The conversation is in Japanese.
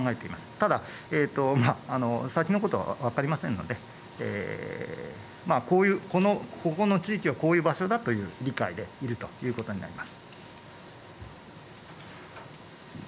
ただ先のことは分かりませんので、ここの地域はこういう場所だという理解でいるということになります。